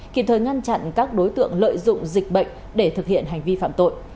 kịp thời ngăn chặn các đối tượng lợi dụng dịch bệnh để thực hiện hành vi phạm tội